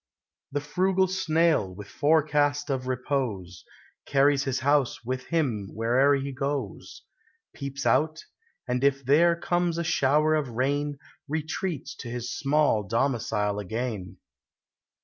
The frugal snail, with forecast of repose, Carries his house with him where'er he goes; Peeps out, — and if there comes a shower of rain, Retreats to his small domicile again.